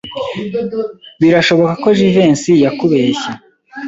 Birashoboka ko Jivency yakubeshye.